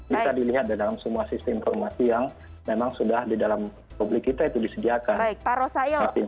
bisa dilihat di dalam semua sistem informasi yang memang sudah di dalam publik kita itu disediakan